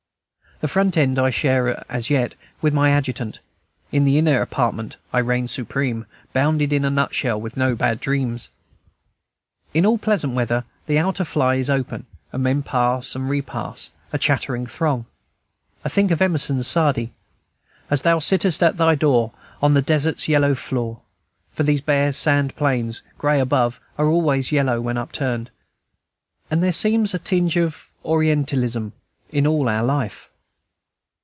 The front tent I share, as yet, with my adjutant; in the inner apartment I reign supreme, bounded in a nutshell, with no bad dreams. In all pleasant weather the outer "fly" is open, and men pass and repass, a chattering throng. I think of Emerson's Saadi, "As thou sittest at thy door, on the desert's yellow floor," for these bare sand plains, gray above, are always yellow when upturned, and there seems a tinge of Orientalism in all our life.